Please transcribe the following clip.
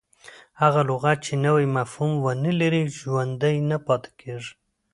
هغه لغت، چي نوی مفهوم و نه لري، ژوندی نه پاته کیږي.